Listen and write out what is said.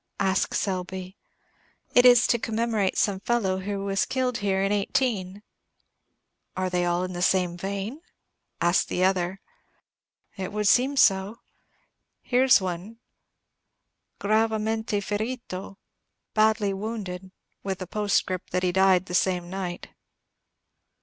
asked Selby. "It is to commemorate some fellow who was killed here in '18." "Are they all in the same vein?" asked the other. "It would seem so. Here 's one: 'Gravamente ferito,' badly wounded; with a postscript that he died the same night."